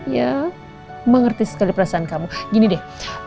ya oma ngerti sekali perasaan kamu gini deh